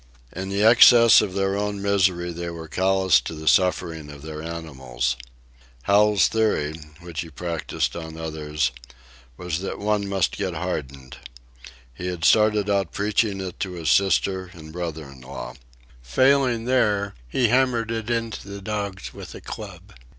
In the excess of their own misery they were callous to the suffering of their animals. Hal's theory, which he practised on others, was that one must get hardened. He had started out preaching it to his sister and brother in law. Failing there, he hammered it into the dogs with a club.